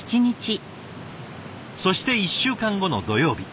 そして１週間後の土曜日。